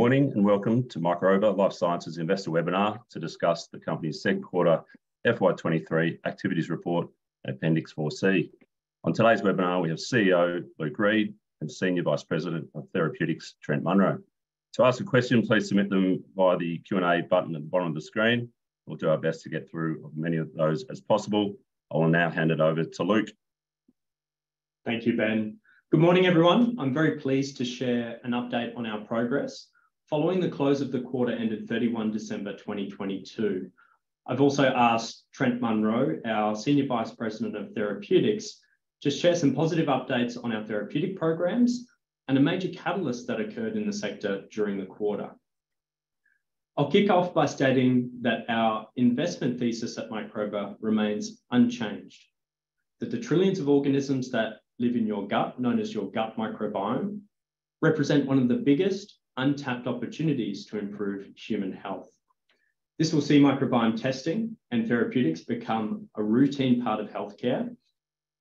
Good morning, and welcome to Microba Life Sciences Investor Webinar to discuss the company's Q2 FY2023 activities report, Appendix 4C. On today's webinar, we have CEO Luke Reid and Senior Vice President of Therapeutics, Trent Munro. To ask a question, please submit them via the Q&A button at the bottom of the screen. We'll do our best to get through as many of those as possible. I will now hand it over to Luke. Thank you, Ben. Good morning, everyone. I'm very pleased to share an update on our progress following the close of the quarter ending 31 December, 2022. I've also asked Trent Munro, our Senior Vice President of Therapeutics, to share some positive updates on our therapeutic programs and a major catalyst that occurred in the sector during the quarter. I'll kick off by stating that our investment thesis at Microba remains unchanged. That the trillions of organisms that live in your gut, known as your gut microbiome, represent one of the biggest untapped opportunities to improve human health. This will see microbiome testing and therapeutics become a routine part of healthcare,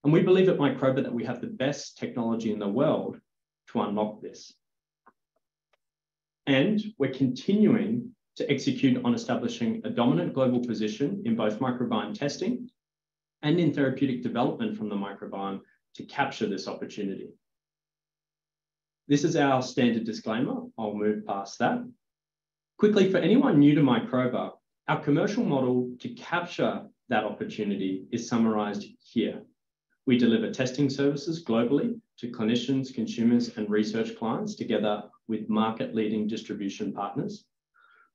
and we believe at Microba that we have the best technology in the world to unlock this. We're continuing to execute on establishing a dominant global position in both microbiome testing and in therapeutic development from the microbiome to capture this opportunity. This is our standard disclaimer. I'll move past that. Quickly, for anyone new to Microba, our commercial model to capture that opportunity is summarized here. We deliver testing services globally to clinicians, consumers, and research clients together with market-leading distribution partners.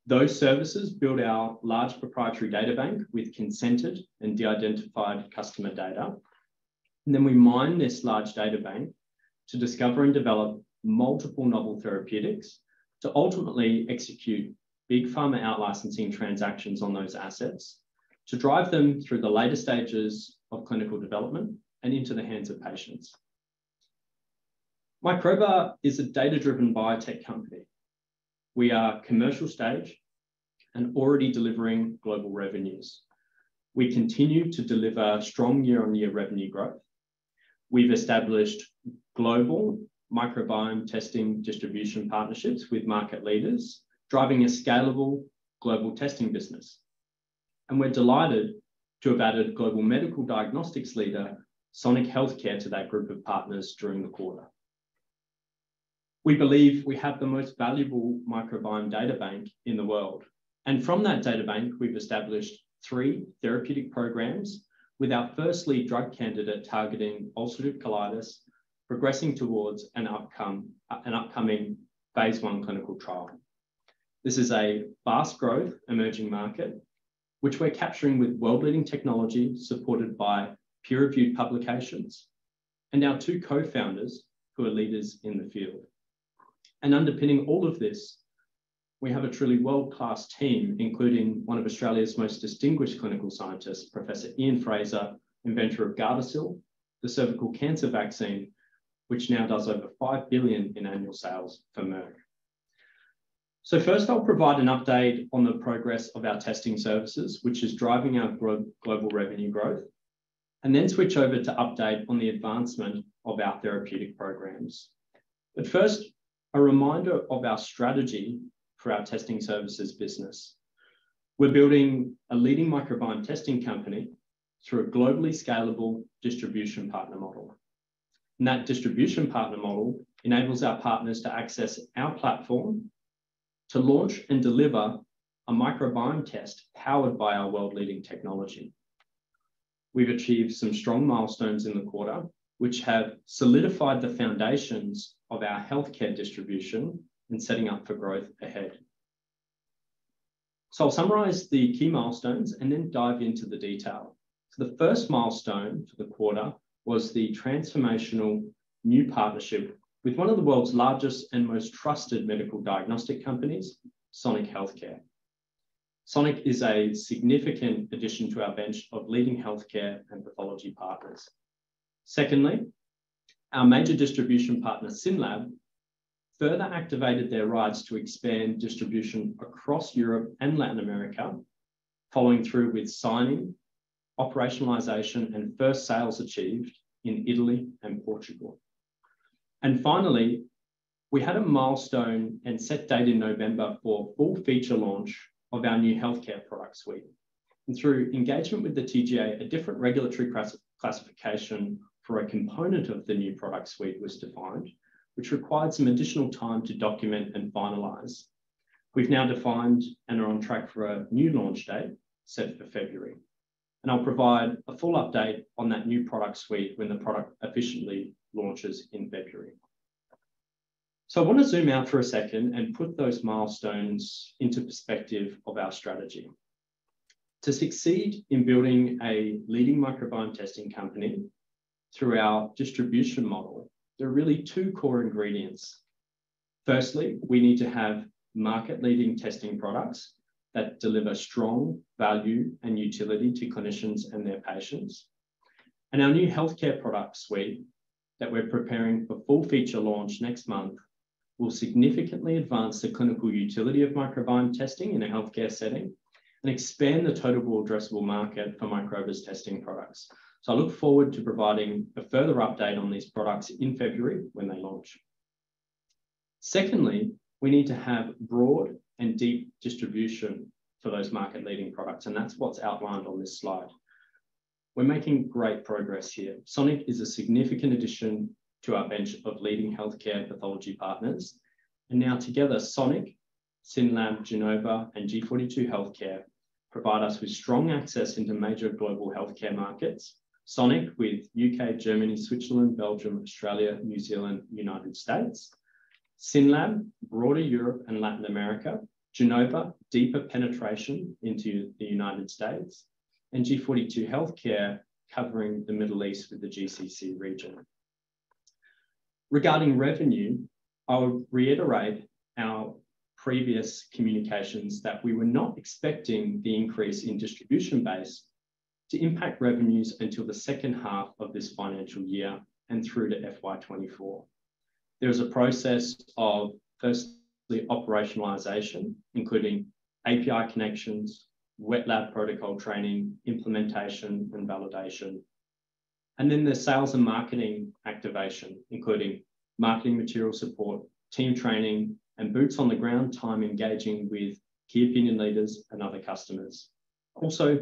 Those services build our large proprietary data bank with consented and de-identified customer data. We mine this large data bank to discover and develop multiple novel therapeutics to ultimately execute big pharma out-licensing transactions on those assets to drive them through the later stages of clinical development and into the hands of patients. Microba is a data-driven biotech company. We are commercial stage and already delivering global revenues. We continue to deliver strong year-over-year revenue growth. We've established global microbiome testing distribution partnerships with market leaders, driving a scalable global testing business. We're delighted to have added global medical diagnostics leader Sonic Healthcare to that group of partners during the quarter. We believe we have the most valuable microbiome data bank in the world, and from that data bank we've established three therapeutic programs with our first lead drug candidate targeting ulcerative colitis, progressing towards an outcome, an upcoming phase I clinical trial. This is a fast growth emerging market which we're capturing with world-leading technology supported by peer-reviewed publications and our two co-founders, who are leaders in the field. Underpinning all of this, we have a truly world-class team, including one of Australia's most distinguished clinical scientists, Professor Ian Frazer, inventor of Gardasil, the cervical cancer vaccine, which now does over $5 billion in annual sales for Merck. First, I'll provide an update on the progress of our testing services, which is driving our global revenue growth, and then switch over to update on the advancement of our therapeutic programs. First, a reminder of our strategy for our testing services business. We're building a leading microbiome testing company through a globally scalable distribution partner model. That distribution partner model enables our partners to access our platform to launch and deliver a microbiome test powered by our world-leading technology. We've achieved some strong milestones in the quarter, which have solidified the foundations of our healthcare distribution and setting up for growth ahead. I'll summarize the key milestones and then dive into the detail. The first milestone for the quarter was the transformational new partnership with one of the world's largest and most trusted medical diagnostic companies, Sonic Healthcare. Sonic is a significant addition to our bench of leading healthcare and pathology partners. Secondly, our major distribution partner, SYNLAB, further activated their rights to expand distribution across Europe and Latin America. Following through with signing, operationalization, and first sales achieved in Italy and Portugal. Finally, we had a milestone and set date in November for full feature launch of our new healthcare product suite. Through engagement with the TGA, a different regulatory classification for a component of the new product suite was defined, which required some additional time to document and finalize. We've now defined and are on track for a new launch date set for February, and I'll provide a full update on that new product suite when the product officially launches in February. I want to zoom out for a second and put those milestones into perspective of our strategy. To succeed in building a leading microbiome testing company through our distribution model, there are really two core ingredients. Firstly, we need to have market-leading testing products that deliver strong value and utility to clinicians and their patients. Our new healthcare product suite that we're preparing for full feature launch next month will significantly advance the clinical utility of microbiome testing in a healthcare setting and expand the total addressable market for Microba's testing products. I look forward to providing a further update on these products in February when they launch. Secondly, we need to have broad and deep distribution for those market-leading products, that's what's outlined on this slide. We're making great progress here. Sonic is a significant addition to our bench of leading healthcare pathology partners. Now together, Sonic, SYNLAB, Genova, and G42 Healthcare provide us with strong access into major global healthcare markets. Sonic with U.K., Germany, Switzerland, Belgium, Australia, New Zealand, United States. SYNLAB, broader Europe and Latin America. Genova, deeper penetration into the United States. G42 Healthcare covering the Middle East with the GCC region. Regarding revenue, I would reiterate our previous communications that we were not expecting the increase in distribution base to impact revenues until the H2 of this financial year and through to FY 2024. There is a process of firstly operationalization, including API connections, wet lab protocol training, implementation and validation. Then the sales and marketing activation, including marketing material support, team training, and boots on the ground time engaging with key opinion leaders and other customers. Also,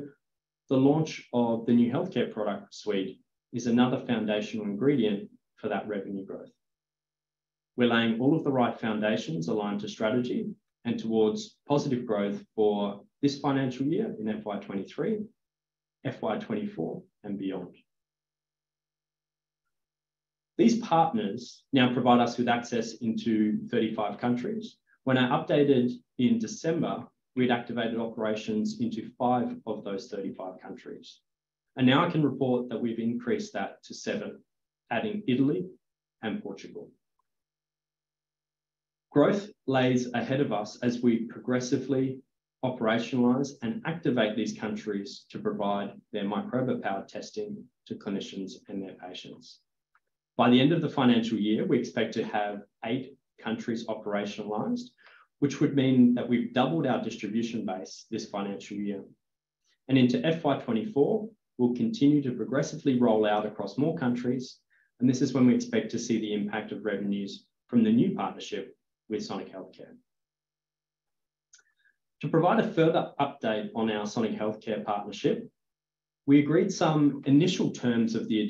the launch of the new healthcare product suite is another foundational ingredient for that revenue growth. We're laying all of the right foundations aligned to strategy and towards positive growth for this financial year in FY 2023, FY 2024 and beyond. These partners now provide us with access into 35 countries. When I updated in December, we'd activated operations into five of those 35 countries. Now I can report that we've increased that to seven, adding Italy and Portugal. Growth lays ahead of us as we progressively operationalize and activate these countries to provide their Microba Power testing to clinicians and their patients. By the end of the financial year, we expect to have eight countries operationalized, which would mean that we've doubled our distribution base this financial year. Into FY 2024, we'll continue to progressively roll out across more countries, and this is when we expect to see the impact of revenues from the new partnership with Sonic Healthcare. To provide a further update on our Sonic Healthcare partnership, we agreed some initial terms of the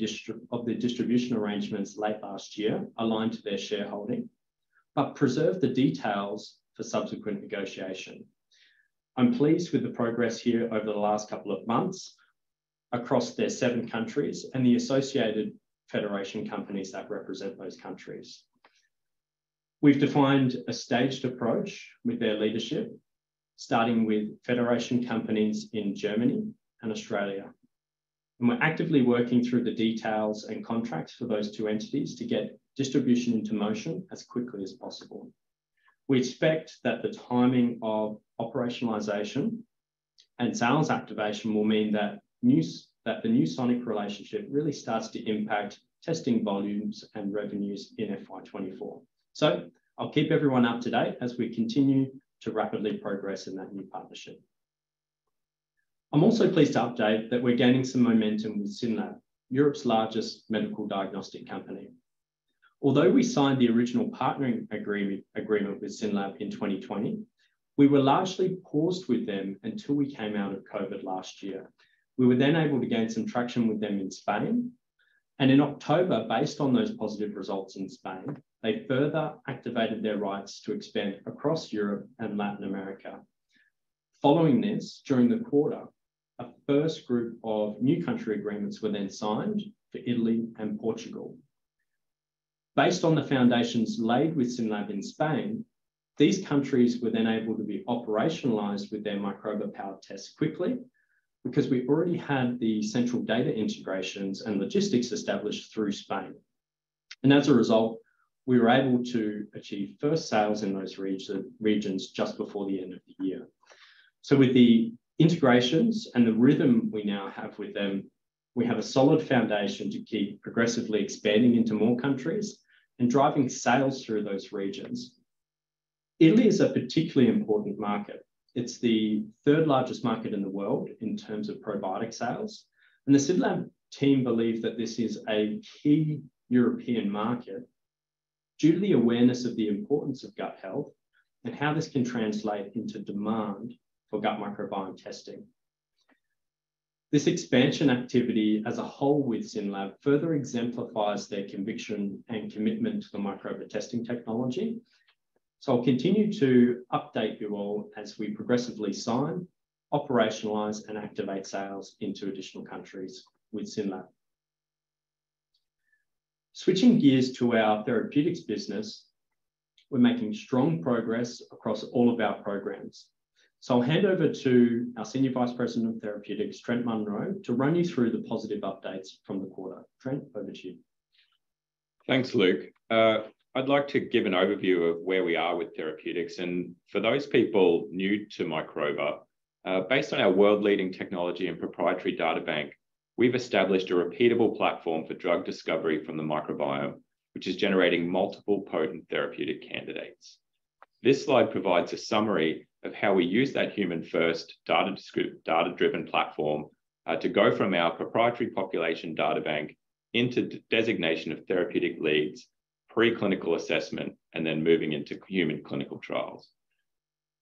distribution arrangements late last year aligned to their shareholding, but preserved the details for subsequent negotiation. I'm pleased with the progress here over the last couple of months across their seven countries and the associated federation companies that represent those countries. We've defined a staged approach with their leadership, starting with federation companies in Germany and Australia. We're actively working through the details and contracts for those two entities to get distribution into motion as quickly as possible. We expect that the timing of operationalization and sales activation will mean that the new Sonic relationship really starts to impact testing volumes and revenues in FY 2024. I'll keep everyone up to date as we continue to rapidly progress in that new partnership. I'm also pleased to update that we're gaining some momentum with SYNLAB, Europe's largest medical diagnostic company. Although we signed the original partnering agreement with SYNLAB in 2020, we were largely paused with them until we came out of COVID last year. We were then able to get some [traction] with them in [Spain]. In October, based on those positive results in Spain, they further activated their rights to expand across Europe and Latin America. Following this, during the quarter, a first group of new country agreements were then signed for Italy and Portugal. Based on the foundations laid with SYNLAB in Spain, these countries were then able to be operationalized with their Microba Power test quickly because we already had the central data integrations and logistics established through Spain. As a result, we were able to achieve first sales in those regions just before the end of the year. With the integrations and the rhythm we now have with them, we have a solid foundation to keep progressively expanding into more countries and driving sales through those regions. Italy is a particularly important market. It's the third largest market in the world in terms of probiotic sales, and the SYNLAB team believe that this is a key European market due to the awareness of the importance of gut health and how this can translate into demand for gut microbiome testing. This expansion activity as a whole with SYNLAB further exemplifies their conviction and commitment to the Microba testing technology. I'll continue to update you all as we progressively sign, operationalize, and activate sales into additional countries with SYNLAB. Switching gears to our therapeutics business, we're making strong progress across all of our programs. I'll hand over to our Senior Vice President of Therapeutics, Trent Munro, to run you through the positive updates from the quarter. Trent, over to you. Thanks, Luke. I'd like to give an overview of where we are with therapeutics. For those people new to Microba, based on our world-leading technology and proprietary data bank, we've established a repeatable platform for drug discovery from the microbiome, which is generating multiple potent therapeutic candidates. This slide provides a summary of how we use that human-first data-driven platform to go from our proprietary population data bank into designation of therapeutic leads, preclinical assessment, and then moving into human clinical trials.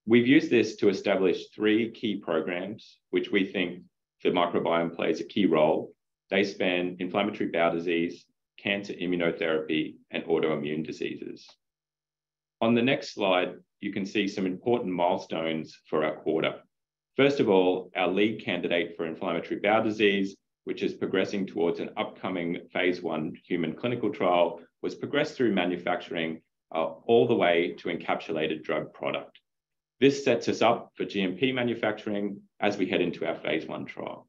We've used this to establish three key programs which we think the microbiome plays a key role. They span inflammatory bowel disease, cancer immunotherapy, and autoimmune diseases. On the next slide, you can see some important milestones for our quarter. First of all, our lead candidate for inflammatory bowel disease, which is progressing towards an upcoming phase I human clinical trial, was progressed through manufacturing, all the way to encapsulated drug product. This sets us up for GMP manufacturing as we head into our phase I trial.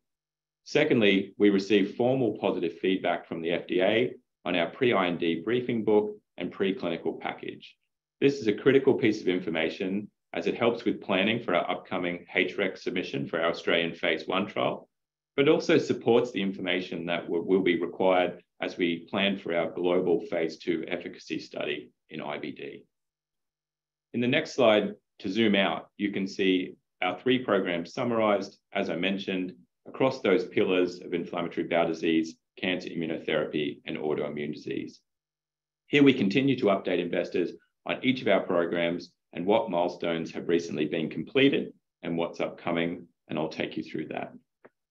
Secondly, we received formal positive feedback from the FDA on our pre-IND briefing book and preclinical package. This is a critical piece of information as it helps with planning for our upcoming HREC submission for our Australian phase I trial, but also supports the information that will be required as we plan for our global phase II efficacy study in IBD. In the next slide, to zoom out, you can see our three programs summarized, as I mentioned, across those pillars of inflammatory bowel disease, cancer immunotherapy, and autoimmune disease. Here we continue to update investors on each of our programs and what milestones have recently been completed and what's upcoming, and I'll take you through that.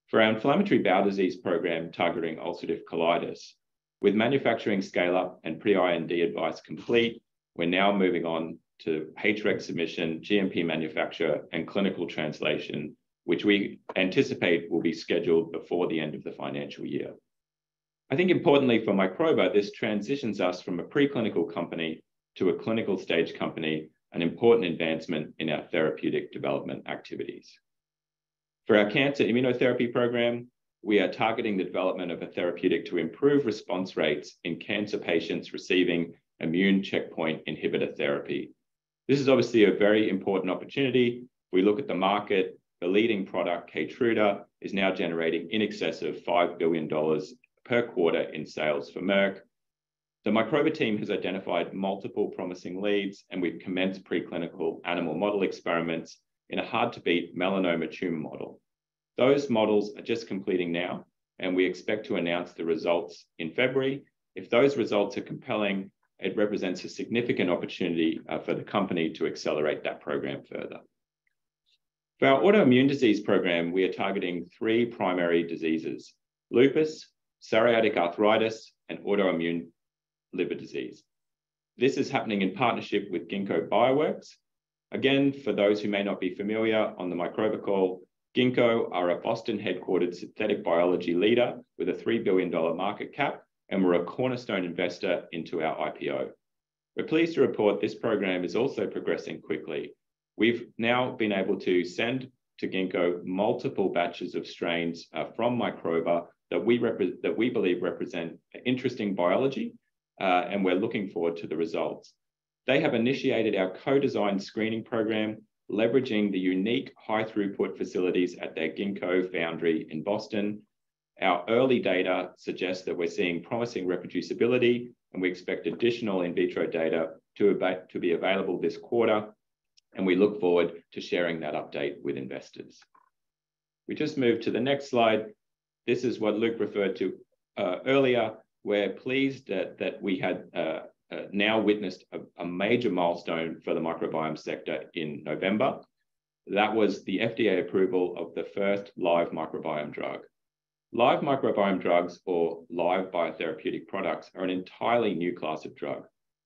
For our inflammatory bowel disease program targeting ulcerative colitis, with manufacturing scale-up and pre-IND advice complete, we're now moving on to HREC submission, GMP manufacture, and clinical translation, which we anticipate will be scheduled before the end of the financial year. I think importantly for Microba, this transitions us from a preclinical company to a clinical stage company, an important advancement in our therapeutic development activities. For our cancer immunotherapy program, we are targeting the development of a therapeutic to improve response rates in cancer patients receiving immune checkpoint inhibitor therapy. This is obviously a very important opportunity. We look at the market. The leading product, Keytruda, is now generating in excess of $5 billion per quarter in sales for Merck. The Microba team has identified multiple promising leads, and we've commenced preclinical animal model experiments in a hard-to-beat melanoma tumor model. Those models are just completing now, and we expect to announce the results in February. If those results are compelling, it represents a significant opportunity for the company to accelerate that program further. For our autoimmune disease program, we are targeting three primary diseases: lupus, psoriatic arthritis, and autoimmune liver disease. This is happening in partnership with Ginkgo Bioworks. Again, for those who may not be familiar on the Microba call, Ginkgo are a Boston-headquartered synthetic biology leader with a $3 billion market cap, and were a cornerstone investor into our IPO. We're pleased to report this program is also progressing quickly. We've now been able to send to Ginkgo multiple batches of strains from Microba that we believe represent interesting biology, and we're looking forward to the results. They have initiated our co-design screening program, leveraging the unique high-throughput facilities at their Ginkgo Foundry in Boston. Our early data suggests that we're seeing promising reproducibility, and we expect additional in vitro data to be available this quarter, and we look forward to sharing that update with investors. We just move to the next slide. This is what Luke referred to earlier. We're pleased that we had now witnessed a major milestone for the microbiome sector in November. That was the FDA approval of the first live microbiome drug. Live microbiome drugs or live biotherapeutic products are an entirely new class of drug.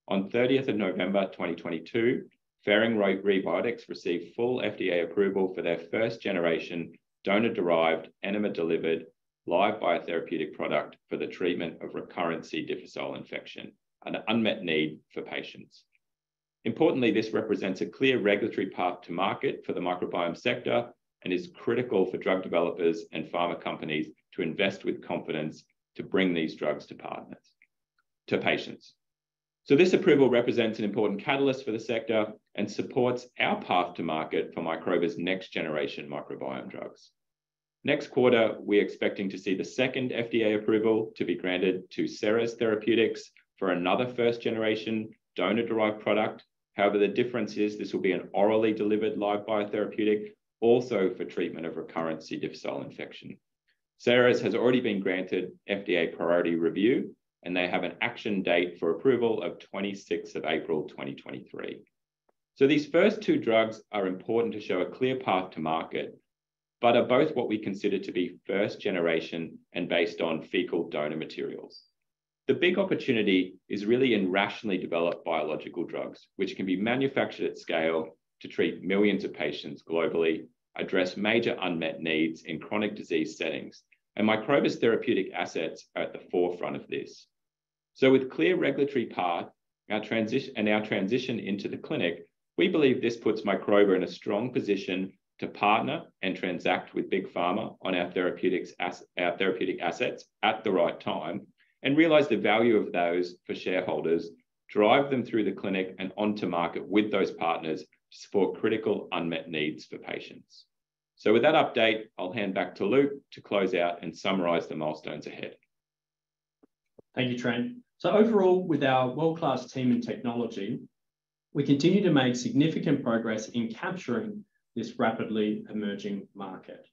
On 30th of November 2022, Ferring's REBYOTA received full FDA approval for their first-generation donor-derived, enema-delivered live biotherapeutic product for the treatment of recurrent C. difficile infection, an unmet need for patients. Importantly, this represents a clear regulatory path to market for the microbiome sector and is critical for drug developers and pharma companies to invest with confidence to bring these drugs to partners, to patients. This approval represents an important catalyst for the sector and supports our path to market for Microba's next-generation microbiome drugs. Next quarter, we're expecting to see the second FDA approval to be granted to Seres Therapeutics for another first-generation donor-derived product. However, the difference is this will be an orally delivered live biotherapeutic also for treatment of recurrent C. difficile infection. Seres has already been granted FDA priority review, and they have an action date for approval of 26th of April 2023. These first two drugs are important to show a clear path to market but are both what we consider to be first generation and based on fecal donor materials. The big opportunity is really in rationally developed biological drugs, which can be manufactured at scale to treat millions of patients globally, address major unmet needs in chronic disease settings, and Microba's therapeutic assets are at the forefront of this. With clear regulatory path, our transition into the clinic, we believe this puts Microba in a strong position to partner and transact with Big Pharma on our therapeutic assets at the right time and realize the value of those for shareholders, drive them through the clinic and onto market with those partners to support critical unmet needs for patients. With that update, I'll hand back to Luke to close out and summarize the milestones ahead. Thank you, Trent. Overall, with our world-class team and technology, we continue to make significant progress in capturing this rapidly emerging market.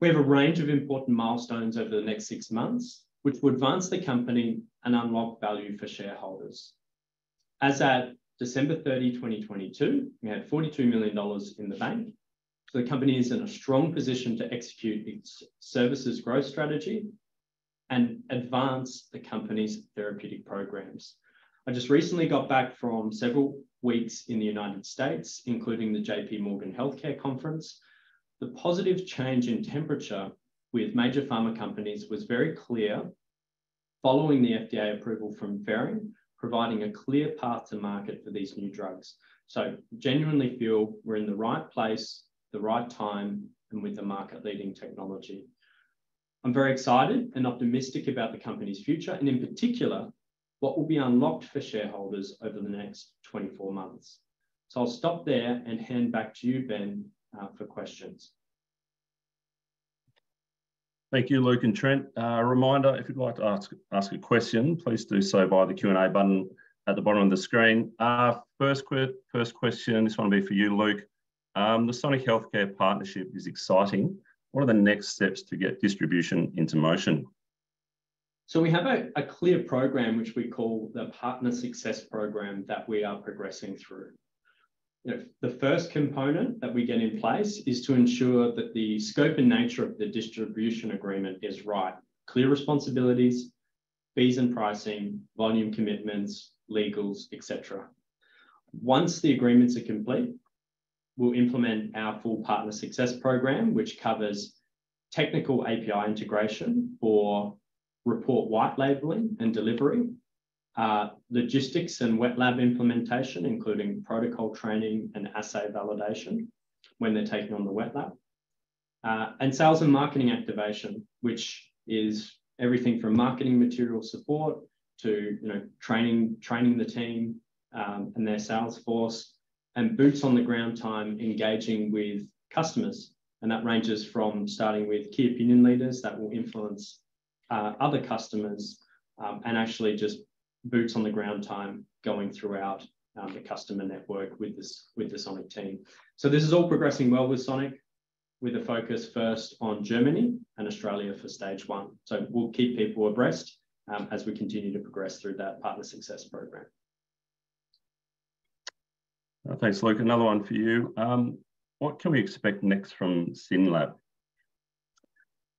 We have a range of important milestones over the next six months, which will advance the company and unlock value for shareholders. As at 30 December, 2022, we had 42 million dollars in the bank. The company is in a strong position to execute its services growth strategy and advance the company's therapeutic programs. I just recently got back from several weeks in the United States, including the JPMorgan Healthcare Conference. The positive change in temperature with major pharma companies was very clear following the FDA approval from Ferring, providing a clear path to market for these new drugs. Genuinely feel we're in the right place, the right time, and with the market-leading technology. I'm very excited and optimistic about the company's future, and in particular, what will be unlocked for shareholders over the next 24 months. I'll stop there and hand back to you, Ben, for questions. Thank you, Luke and Trent. Reminder, if you'd like to ask a question, please do so via the Q&A button at the bottom of the screen. First question, this one will be for you, Luke. The Sonic Healthcare partnership is exciting. What are the next steps to get distribution into motion? We have a clear program, which we call the Partner Success Program, that we are progressing through. The first component that we get in place is to ensure that the scope and nature of the distribution agreement is right. Clear responsibilities, fees and pricing, volume commitments, legals, et cetera. Once the agreements are complete, we'll implement our full Partner Success Program, which covers technical API integration for report white labeling and delivery, logistics and wet lab implementation, including protocol training and assay validation when they're taking on the wet lab, and sales and marketing activation, which is everything from marketing material support to, you know, training the team, and their sales force, and boots on the ground time engaging with customers. That ranges from starting with key opinion leaders that will influence other customers, and actually just boots on the ground time going throughout the customer network with the Sonic team. This is all progressing well with Sonic, with a focus first on Germany and Australia for stage one. We'll keep people abreast as we continue to progress through that Partner Success Program. Thanks, Luke. Another one for you. What can we expect next from SYNLAB?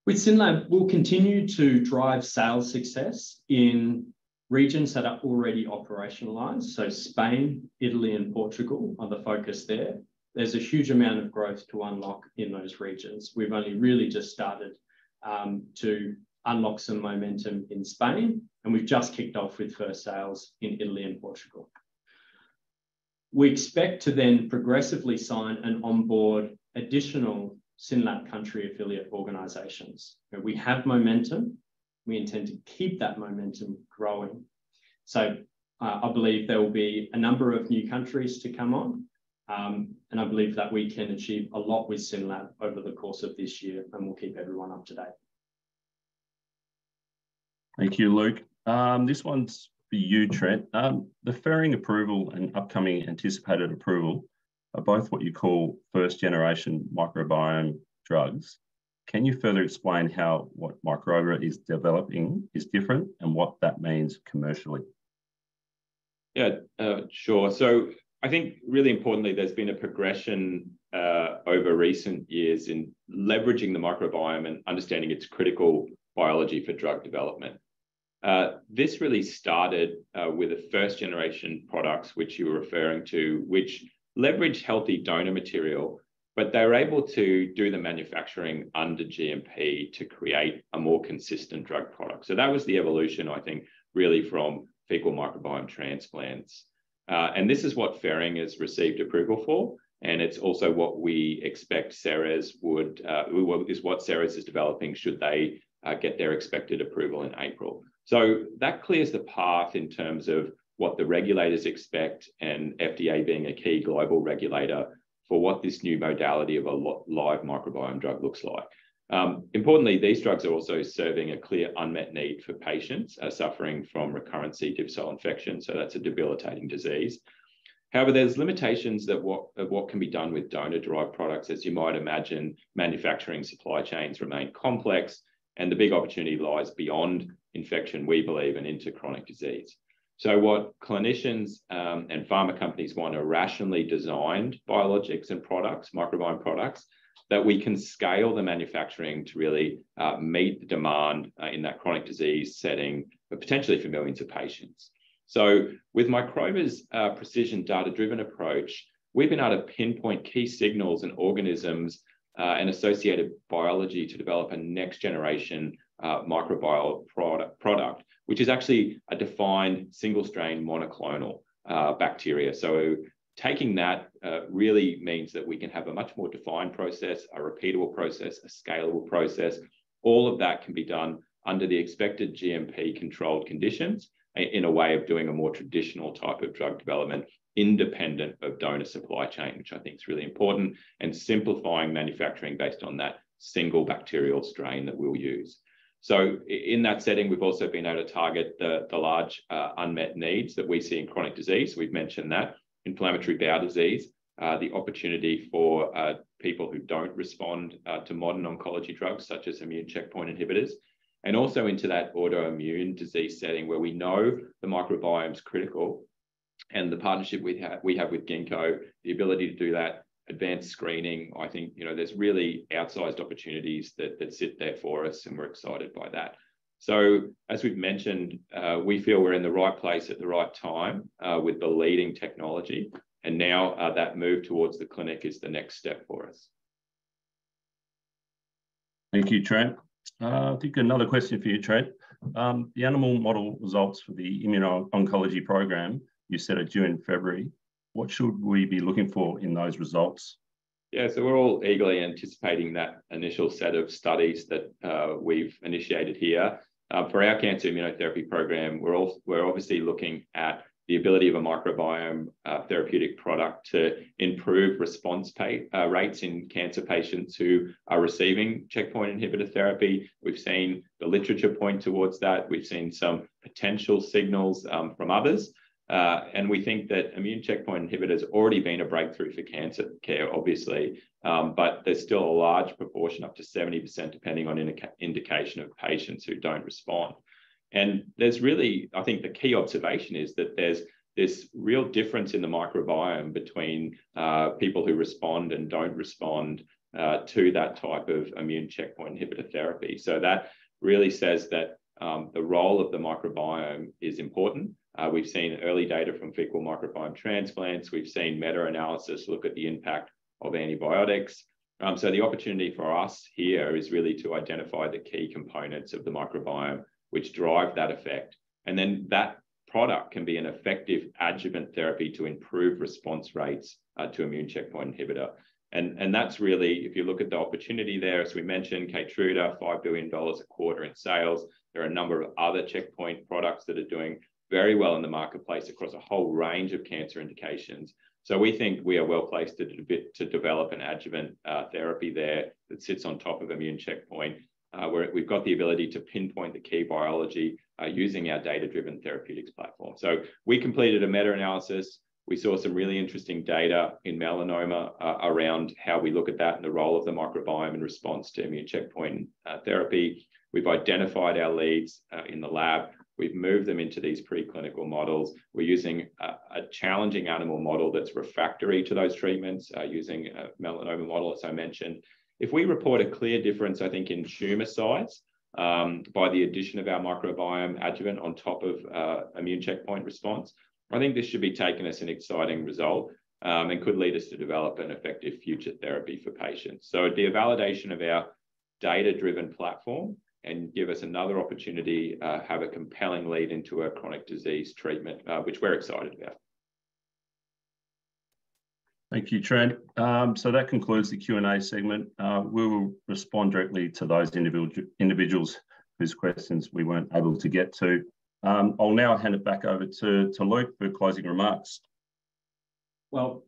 With SYNLAB, we'll continue to drive sales success in regions that are already operationalized. Spain, Italy and Portugal are the focus there. There's a huge amount of growth to unlock in those regions. We've only really just started to unlock some momentum in Spain, and we've just kicked off with first sales in Italy and Portugal. We expect to then progressively sign and onboard additional SYNLAB country affiliate organizations. We have momentum. We intend to keep that momentum growing. I believe there will be a number of new countries to come on. I believe that we can achieve a lot with SYNLAB over the course of this year, and we'll keep everyone up to date. Thank you, Luke. This one's for you, Trent. The Ferring approval and upcoming anticipated approval are both what you call first-generation microbiome drugs. Can you further explain how what Microba is developing is different and what that means commercially? Sure. I think really importantly, there's been a progression over recent years in leveraging the microbiome and understanding its critical biology for drug development. This really started with the first generation products, which you were referring to, which leveraged healthy donor material, but they were able to do the manufacturing under GMP to create a more consistent drug product. That was the evolution, I think, really from fecal microbiome transplants. This is what Ferring has received approval for, and it's also what we expect Seres is developing should they get their expected approval in April. That clears the path in terms of what the regulators expect, and FDA being a key global regulator for what this new modality of a live microbiome drug looks like. Importantly, these drugs are also serving a clear unmet need for patients, suffering from recurrent C. diff infection. That's a debilitating disease. However, there's limitations that what, of what can be done with donor-derived products. As you might imagine, manufacturing supply chains remain complex and the big opportunity lies beyond infection, we believe, and into chronic disease. What clinicians, and pharma companies want are rationally designed biologics and products, microbiome products, that we can scale the manufacturing to really meet the demand in that chronic disease setting, but potentially for millions of patients. With Microba's precision data-driven approach, we've been able to pinpoint key signals and organisms, and associated biology to develop a next-generation microbiome product, which is actually a defined single-strain monoclonal bacteria. Taking that really means that we can have a much more defined process, a repeatable process, a scalable process. All of that can be done under the expected GMP controlled conditions in a way of doing a more traditional type of drug development independent of donor supply chain, which I think is really important, and simplifying manufacturing based on that single bacterial strain that we'll use. In that setting, we've also been able to target the large unmet needs that we see in chronic disease. We've mentioned that. Inflammatory bowel disease, the opportunity for people who don't respond to modern oncology drugs such as immune checkpoint inhibitors, and also into that autoimmune disease setting where we know the microbiome's critical. The partnership we have with Ginkgo, the ability to do that advanced screening, I think, you know, there's really outsized opportunities that sit there for us, and we're excited by that. As we've mentioned, we feel we're in the right place at the right time, with the leading technology, and now, that move towards the clinic is the next step for us. Thank you, Trent. I think another question for you, Trent. The animal model results for the immuno-oncology program, you said are due in February. What should we be looking for in those results? We're all eagerly anticipating that initial set of studies that we've initiated here. For our cancer immunotherapy program, we're obviously looking at the ability of a microbiome therapeutic product to improve response rates in cancer patients who are receiving checkpoint inhibitor therapy. We've seen the literature point towards that. We've seen some potential signals from others. We think that immune checkpoint inhibitors already been a breakthrough for cancer care obviously. But there's still a large proportion, up to 70% depending on indication of patients who don't respond. There's really, I think the key observation is that there's this real difference in the microbiome between people who respond and don't respond to that type of immune checkpoint inhibitor therapy. That really says that the role of the microbiome is important. We've seen early data from fecal microbiota transplantation. We've seen meta-analysis look at the impact of antibiotics. The opportunity for us here is really to identify the key components of the microbiome which drive that effect, and then that product can be an effective adjuvant therapy to improve response rates to immune checkpoint inhibitor. That's really, if you look at the opportunity there, as we mentioned, Keytruda, $5 billion a quarter in sales. There are a number of other checkpoint products that are doing very well in the marketplace across a whole range of cancer indications. We think we are well-placed to develop an adjuvant therapy there that sits on top of immune checkpoint, where we've got the ability to pinpoint the key biology using our data-driven therapeutics platform. We completed a meta-analysis. We saw some really interesting data in melanoma around how we look at that and the role of the microbiome in response to immune checkpoint therapy. We've identified our leads in the lab. We've moved them into these preclinical models. We're using a challenging animal model that's refractory to those treatments, using a melanoma model, as I mentioned. If we report a clear difference, I think in tumor size, by the addition of our microbiome adjuvant on top of immune checkpoint response, I think this should be taken as an exciting result, and could lead us to develop an effective future therapy for patients. It'd be a validation of our data-driven platform and give us another opportunity, have a compelling lead into a chronic disease treatment, which we're excited about. Thank you, Trent. So that concludes the Q&A segment. We will respond directly to those individuals whose questions we weren't able to get to. I'll now hand it back over to Luke for closing remarks.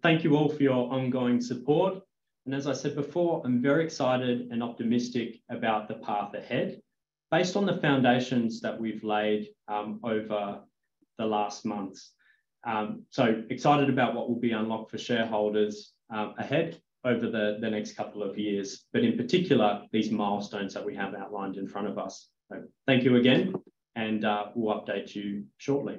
Thank you all for your ongoing support. As I said before, I'm very excited and optimistic about the path ahead based on the foundations that we've laid over the last months. Excited about what will be unlocked for shareholders ahead over the next couple of years, but in particular, these milestones that we have outlined in front of us. Thank you again, we'll update you shortly.